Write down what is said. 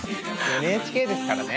ＮＨＫですからね。